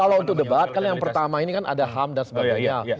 kalau untuk debat kan yang pertama ini kan ada ham dan sebagainya